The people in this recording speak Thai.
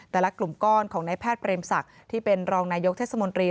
แต่ละกลุ่มก้อนของนายแพทย์เปรมศักดิ์ที่เป็นรองนายกเทศมนตรี